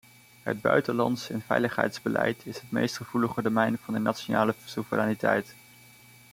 Het buitenlands en veiligheidsbeleid is het meest gevoelige domein van de nationale soevereiniteit.